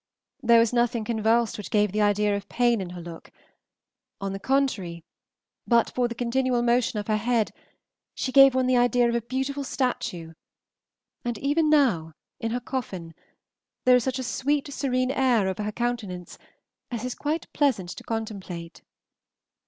There was nothing convulsed which gave the idea of pain in her look; on the contrary, but for the continual motion of the head she gave one the idea of a beautiful statue, and even now, in her coffin, there is such a sweet, serene air over her countenance as is quite pleasant to contemplate.